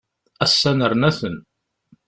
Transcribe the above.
Ass-a nerna-ten.